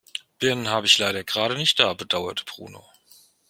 Birnen habe ich leider gerade nicht da, bedauerte Bruno.